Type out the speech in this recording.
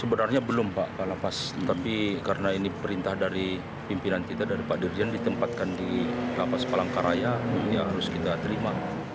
sebenarnya belum pak kalapas tapi karena ini perintah dari pimpinan kita dari pak dirjen ditempatkan di lapas palangkaraya ya harus kita terima